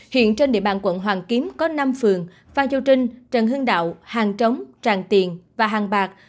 hiện trên địa bàn quận hoàn kiếm có năm phường phan châu trinh trần hưng đạo hàng trống tràng tiền và hàng bạc